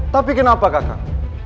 tapi kenapa kakak